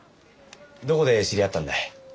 どこで知り合ったんだい？